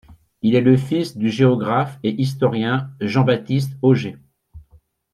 Il est le fils du géographe et historien Jean-Baptiste Ogée.